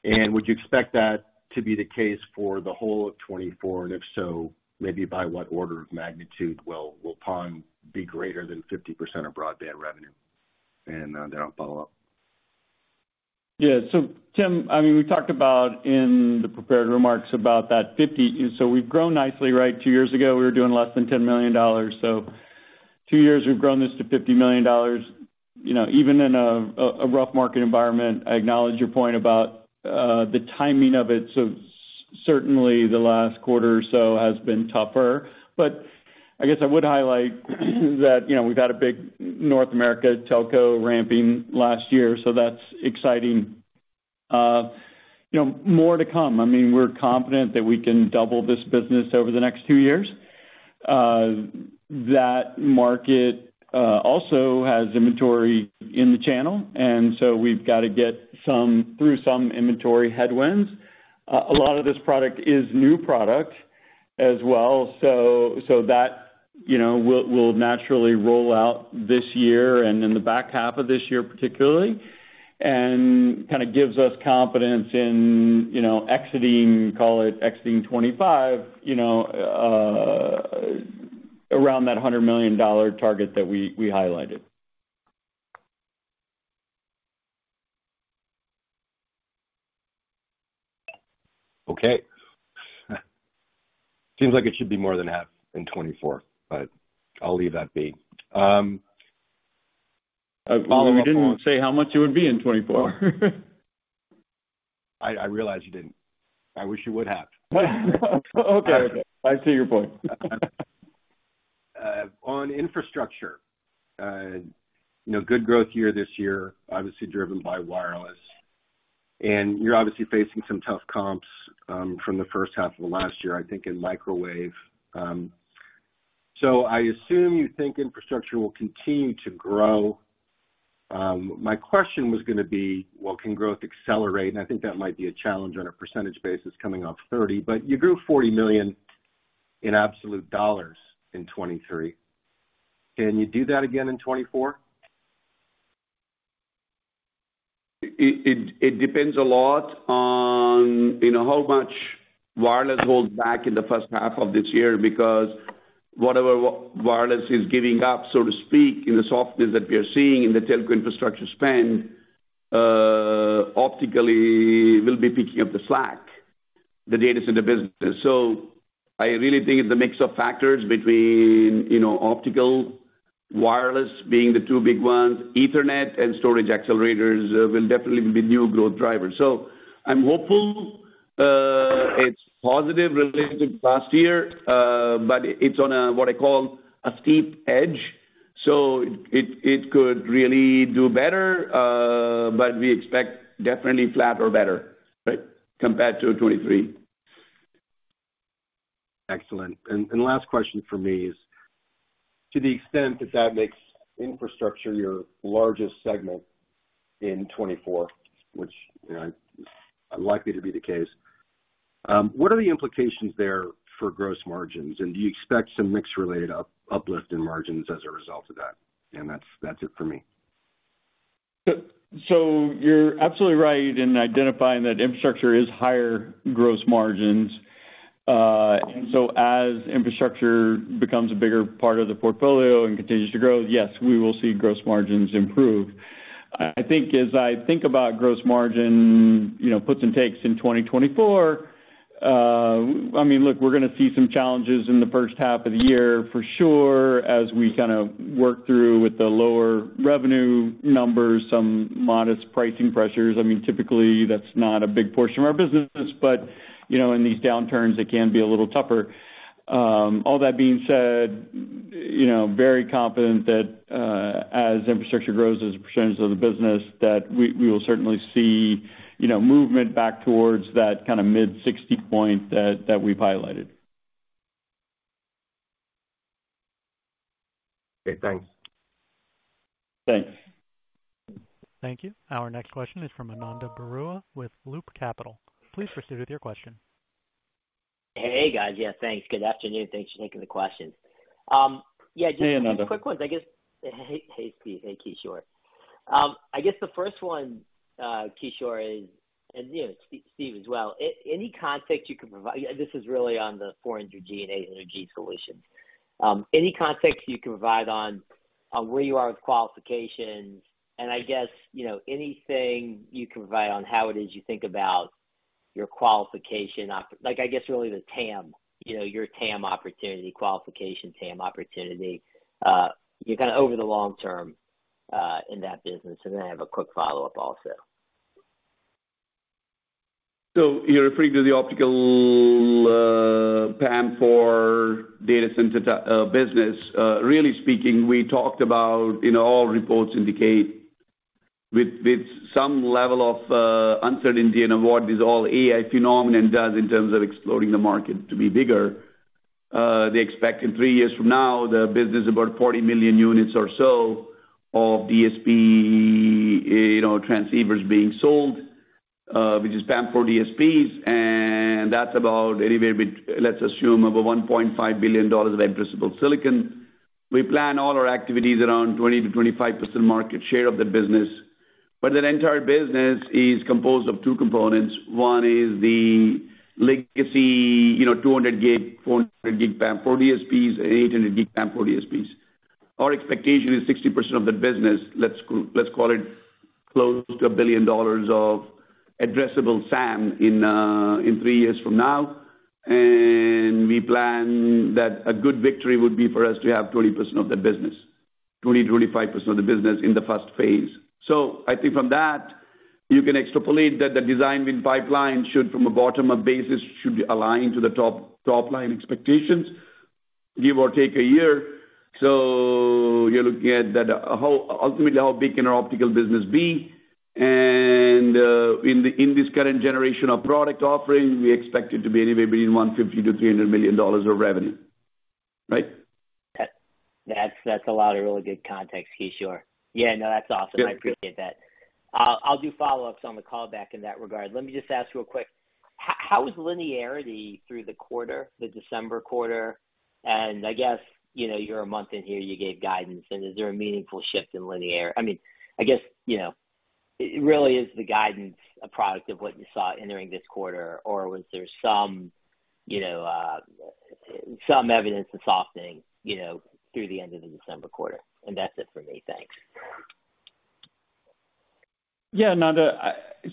And would you expect that to be the case for the whole of 2024, and if so, maybe by what order of magnitude will PON be greater than 50% of broadband revenue? And then I'll follow up. Yeah. So, Tim, I mean, we talked about in the prepared remarks about that 50. So we've grown nicely, right? Two years ago, we were doing less than $10 million. So two years, we've grown this to $50 million. You know, even in a rough market environment, I acknowledge your point about the timing of it. So certainly the last quarter or so has been tougher. But I guess I would highlight that, you know, we've had a big North America telco ramping last year, so that's exciting. You know, more to come. I mean, we're confident that we can double this business over the next two years. That market also has inventory in the channel, and so we've got to get through some inventory headwinds. A lot of this product is new product as well, so so that, you know, will will naturally roll out this year and in the back half of this year, particularly, and kind of gives us confidence in, you know, exiting, call it exiting 2025, you know, around that $100 million target that we highlighted. Okay. Seems like it should be more than half in 2024, but I'll leave that be. Follow up on- We didn't say how much it would be in 2024. I realize you didn't. I wish you would have. Okay, I see your point. On infrastructure, you know, good growth year this year, obviously driven by wireless, and you're obviously facing some tough comps from the first half of last year, I think, in microwave. So I assume you think infrastructure will continue to grow. My question was gonna be, well, can growth accelerate? And I think that might be a challenge on a percentage basis coming off 30%, but you grew $40 million in absolute dollars in 2023. Can you do that again in 2024? It depends a lot on, you know, how much wireless holds back in the first half of this year, because whatever wireless is giving up, so to speak, in the softness that we are seeing in the telco infrastructure spend, optically will be picking up the slack, the data center business. So I really think it's a mix of factors between, you know, optical, wireless being the two big ones. Ethernet and storage accelerators will definitely be new growth drivers. So I'm hopeful, it's positive relative to last year, but it's on a, what I call a steep edge, so it it could really do better, but we expect definitely flat or better, right, compared to 2023. Excellent. And last question for me is: to the extent that that makes infrastructure your largest segment in 2024, which, you know, is unlikely to be the case, what are the implications there for gross margins? And do you expect some mix-related uplift in margins as a result of that? And that's, that's it for me. So, you're absolutely right in identifying that infrastructure is higher gross margins. And so as infrastructure becomes a bigger part of the portfolio and continues to grow, yes, we will see gross margins improve. I think about gross margin, you know, puts and takes in 2024, I mean, look, we're gonna see some challenges in the first half of the year for sure, as we kind of work through with the lower revenue numbers, some modest pricing pressures. I mean, typically that's not a big portion of our business, but, you know, in these downturns it can be a little tougher. All that being said, you know, very confident that, as infrastructure grows as a percentage of the business, that we will certainly see, you know, movement back towards that kind of mid-60s point that, that we've highlighted. Okay, thanks. Thanks. Thank you. Our next question is from Ananda Baruah with Loop Capital. Please proceed with your question. Hey, guys. Yeah, thanks. Good afternoon. Thanks for taking the questions. Yeah, just. Hey, Ananda. Quick ones, I guess. Hey, Steve. Hey, Kishore. I guess the first one, Kishore is, and, you know, Steve as well. Any context you can provide-- This is really on the 400G and 800G solutions. Any context you can provide on where you are with qualifications, and I guess, you know, anything you can provide on how it is you think about your qualification op-- Like, I guess really the TAM, you know, your TAM opportunity, qualification TAM opportunity, you know, kind of over the long term, in that business. And then I have a quick follow-up also. So you're referring to the optical, PAM4 data center business. Really speaking, we talked about, you know, all reports indicate with with some level of uncertainty and what this all AI phenomenon does in terms of exploring the market to be bigger. They expect in three years from now, the business about 40 million units or so of DSP, you know, transceivers being sold, which is PAM4 DSPs, and that's about anywhere, let's assume, over $1.5 billion of addressable silicon. We plan all our activities around 20%-25% market share of the business, but that entire business is composed of two components. One is the legacy, you know, 200 gig, 400 gig PAM4 DSPs, and 800 gig PAM4 DSPs. Our expectation is 60% of that business. Let's call it close to $1 billion of addressable SAM in three years from now. And we plan that a good victory would be for us to have 20% of that business, 20%-25% of the business in the first phase. So I think from that, you can extrapolate that the design win pipeline should, from a bottom-up basis, should be align to the top line expectations, give or take a year. So you're looking at that ultimately, how big can our optical business be? And in this current generation of product offerings, we expect it to be anywhere between $150 million-$300 million of revenue, right? Yeah. That's a lot of really good context, Kishore. Yeah, no, that's awesome. Good. I appreciate that. I'll do follow-ups on the call back in that regard. Let me just ask you a quick, how is linearity through the quarter, the December quarter? And I guess, you know, you're a month in here, you gave guidance, and is there a meaningful shift in linearity? I mean, I guess, you know, it really is the guidance a product of what you saw entering this quarter, or was there some, you know, some evidence of softening, you know, through the end of the December quarter? And that's it for me. Thanks. Yeah, Ananda,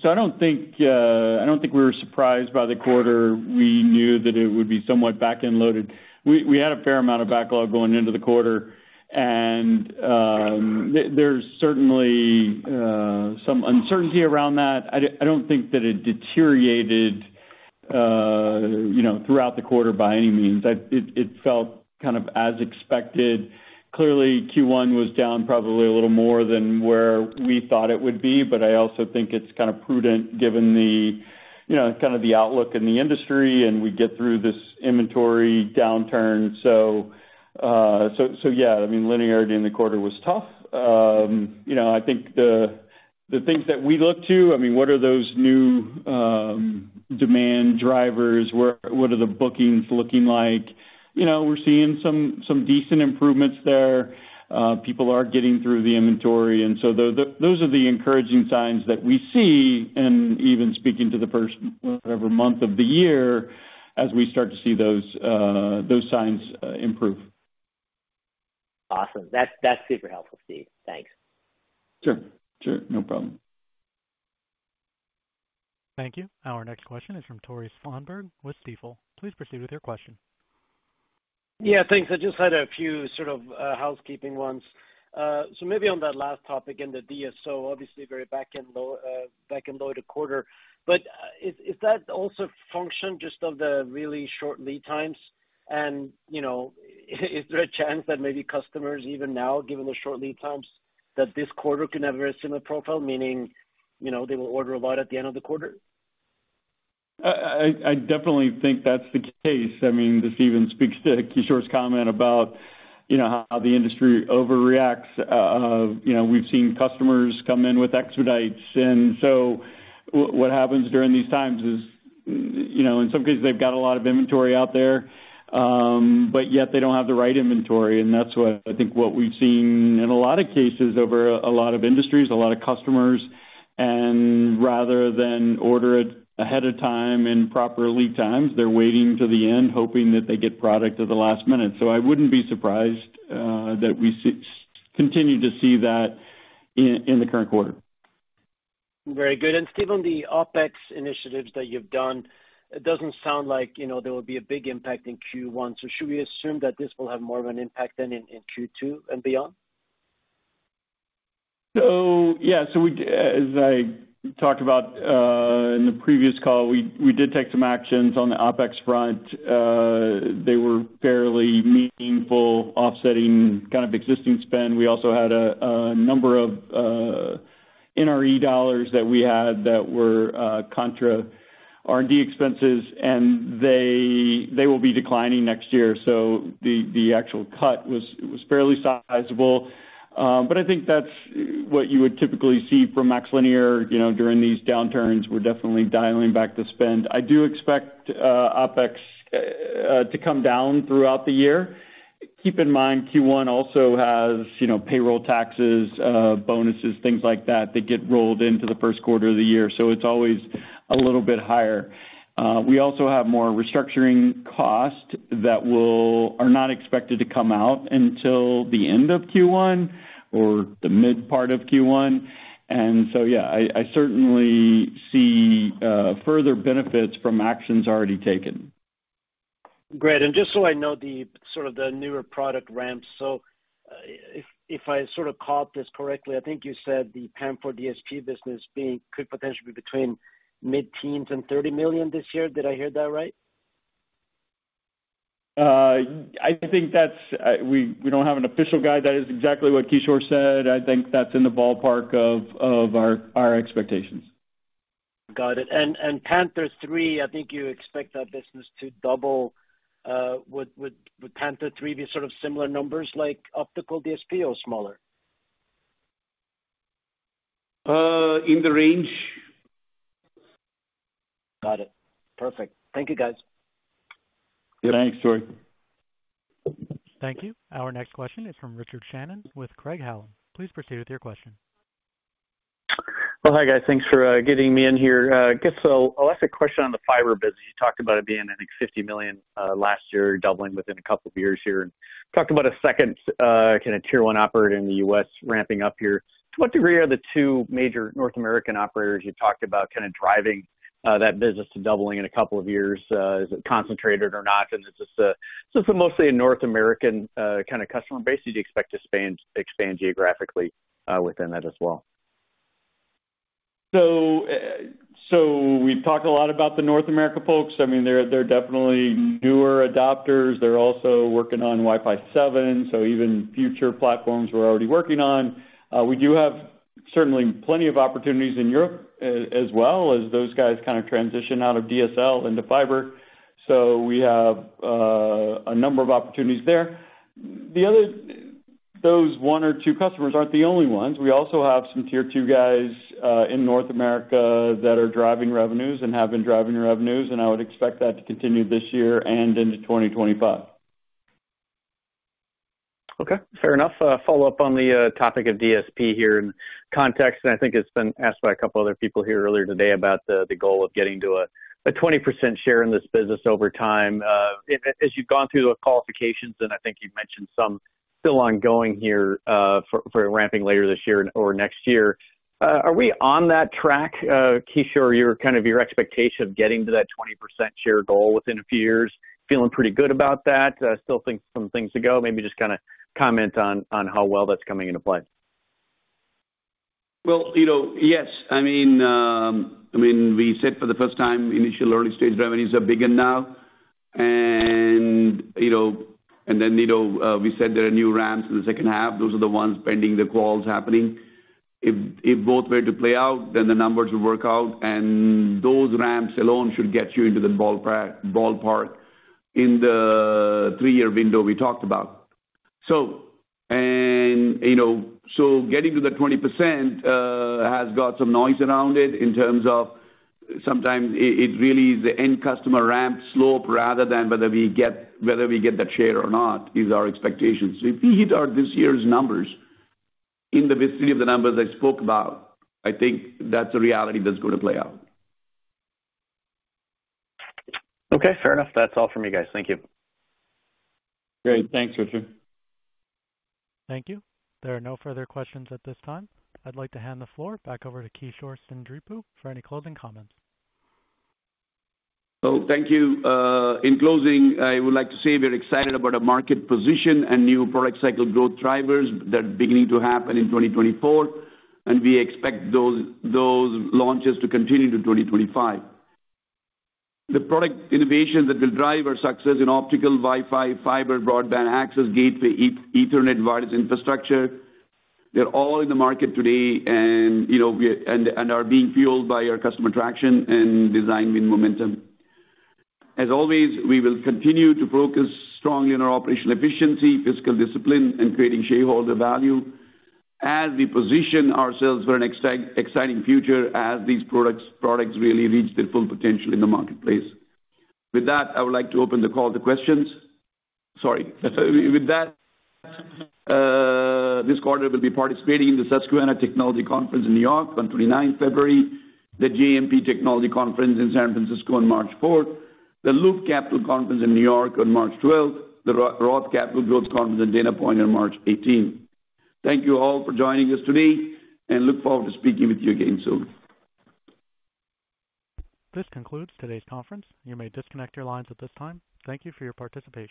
so I don't think, I don't think we were surprised by the quarter. We knew that it would be somewhat back-end loaded. We had a fair amount of backlog going into the quarter, and there's certainly some uncertainty around that. I don't think that it deteriorated, you know, throughout the quarter by any means. It felt kind of as expected.... Clearly, Q1 was down probably a little more than where we thought it would be, but I also think it's kind of prudent, given the, you know, kind of the outlook in the industry, and we get through this inventory downturn. So, so yeah, I mean, linearity in the quarter was tough. You know, I think the, the things that we look to, I mean, what are those new demand drivers? What are the bookings looking like? You know, we're seeing some, some decent improvements there. People are getting through the inventory, and so so those are the encouraging signs that we see, and even speaking to the first whatever month of the year, as we start to see those, those signs improve. Awesome. That's, that's super helpful, Steve. Thanks. Sure. Sure, no problem. Thank you. Our next question is from Tore Svanberg with Stifel. Please proceed with your question. Yeah, thanks. I just had a few sort of housekeeping ones. So maybe on that last topic, in the DSO, obviously very back end load, back end loaded quarter. But is that also function just of the really short lead times? And, you know, is there a chance that maybe customers, even now, given the short lead times, that this quarter can have a very similar profile, meaning, you know, they will order a lot at the end of the quarter? I definitely think that's the case. I mean, this even speaks to Kishore's comment about, you know, how the industry overreacts. You know, we've seen customers come in with expedites, and so what happens during these times is, you know, in some cases, they've got a lot of inventory out there, but yet they don't have the right inventory, and that's what I think what we've seen in a lot of cases over a lot of industries, a lot of customers, and rather than order it ahead of time in proper lead times, they're waiting to the end, hoping that they get product at the last minute. So I wouldn't be surprised that we continue to see that in the current quarter. Very good. And Steve, on the OpEx initiatives that you've done, it doesn't sound like, you know, there will be a big impact in Q1. So should we assume that this will have more of an impact than in Q2 and beyond? So yeah. So we, as I talked about, in the previous call, we did take some actions on the OpEx front. They were fairly meaningful, offsetting kind of existing spend. We also had a number of NRE dollars that we had that were contra R&D expenses, and they, they will be declining next year. So the actual cut was fairly sizable. But I think that's what you would typically see from MaxLinear, you know, during these downturns. We're definitely dialing back the spend. I do expect OpEx to come down throughout the year. Keep in mind, Q1 also has, you know, payroll taxes, bonuses, things like that, that get rolled into the first quarter of the year, so it's always a little bit higher. We also have more restructuring costs that are not expected to come out until the end of Q1 or the mid part of Q1. And so, yeah, I certainly see further benefits from actions already taken. Great. Just so I know, the sort of the newer product ramps, so if I sort of caught this correctly, I think you said the PAM4 DSP business being could potentially be between mid-teens and $30 million this year. Did I hear that right? I think that's. We don't have an official guide. That is exactly what Kishore said. I think that's in the ballpark of of our expectations. Got it. And Panther III, I think you expect that business to double. Would Panther III be sort of similar numbers like Optical DSP or smaller? In the range. Got it. Perfect. Thank you, guys. Thanks, Tore. Thank you. Our next question is from Richard Shannon with Craig-Hallum. Please proceed with your question. Well, hi, guys. Thanks for getting me in here. I guess I'll ask a question on the fiber business. You talked about it being, I think, $50 million last year, doubling within a couple of years here, and talked about a second kind of tier one operator in the U.S. ramping up here. To what degree are the two major North American operators you talked about kind of driving that business to doubling in a couple of years? Is it concentrated or not? And is this mostly a North American kind of customer base? Do you expect to expand, expand geographically within that as well? So, so we've talked a lot about the North America folks. I mean, they're, they're definitely newer adopters. They're also working on Wi-Fi 7, so even future platforms we're already working on. We do have certainly plenty of opportunities in Europe, as well, as those guys kind of transition out of DSL into fiber. So we have a number of opportunities there. Those one or two customers aren't the only ones. We also have some Tier 2 guys in North America that are driving revenues and have been driving revenues, and I would expect that to continue this year and into 2025. Okay, fair enough. Follow up on the topic of DSP here in context, and I think it's been asked by a couple other people here earlier today about the goal of getting to a 20% share in this business over time. As you've gone through the qualifications, and I think you've mentioned some still ongoing here for ramping later this year or next year, are we on that track, Kishore? Your kind of your expectation of getting to that 20% share goal within a few years, feeling pretty good about that? Still think some things to go. Maybe just kind of comment on how well that's coming into play. Well, you know, yes. I mean, we said for the first time, initial early-stage revenues are bigger now. And, you know, and then, you know, we said there are new ramps in the second half. Those are the ones pending the calls happening. If if both were to play out, then the numbers would work out, and those ramps alone should get you into the ballpark in the three-year window we talked about. So, and, you know, so getting to the 20% has got some noise around it in terms of sometimes it really is the end customer ramp slope rather than whether we get, whether we get that share or not, is our expectations. So if we hit our this year's numbers in the vicinity of the numbers I spoke about, I think that's a reality that's going to play out. Okay, fair enough. That's all from me, guys. Thank you. Great. Thanks, Richard. Thank you. There are no further questions at this time. I'd like to hand the floor back over to Kishore Seendripu for any closing comments. Oh, thank you. In closing, I would like to say we're excited about our market position and new product cycle growth drivers that are beginning to happen in 2024, and we expect those, those launches to continue to 2025. The product innovations that will drive our success in optical, Wi-Fi, fiber, broadband access, gateway, Ethernet, wireless infrastructure, they're all in the market today, and, you know, and and are being fueled by our customer traction and design win momentum. As always, we will continue to focus strongly on our operational efficiency, fiscal discipline, and creating shareholder value as we position ourselves for an exciting, exciting future as these products really reach their full potential in the marketplace. With that, I would like to open the call to questions. Sorry. With that, this quarter, we'll be participating in the Susquehanna Technology Conference in New York on February 29th, the JMP Technology Conference in San Francisco on March 4th, the Loop Capital Conference in New York on March 12th, the Roth Capital Growth Conference and Data Point on March 18th. Thank you all for joining us today, and look forward to speaking with you again soon. This concludes today's conference. You may disconnect your lines at this time. Thank you for your participation.